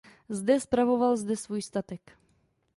Zde spravoval zde svůj statek.